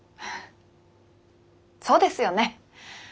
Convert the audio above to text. そうですよね。